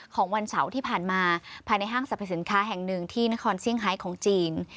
วันเสาร์ที่ผ่านมาภายในห้างสรรพสินค้าแห่งหนึ่งที่นครเซี่ยงไฮของจีน